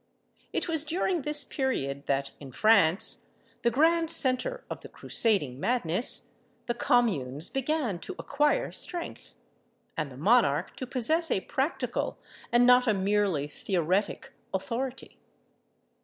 It was during this period that in France, the grand centre of the crusading madness, the communes began to acquire strength, and the monarch to possess a practical and not a merely theoretic authority.